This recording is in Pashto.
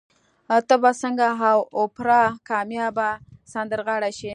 ته به څنګه د اوپرا کاميابه سندرغاړې شې؟